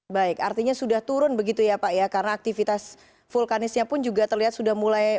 baik artinya sudah turun begitu ya pak ya karena aktivitas vulkanisnya pun juga terlihat sudah mulai